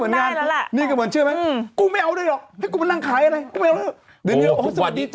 ว่าฉันก็ต้องได้